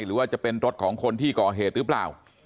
หรือว่าจะเป็นรถของคนที่ก่อเหตุหรือเปล่า